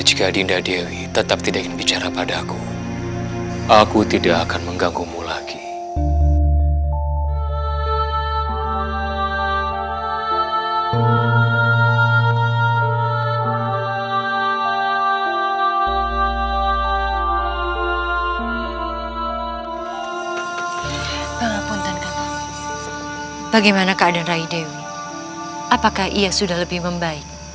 sampai jumpa di video selanjutnya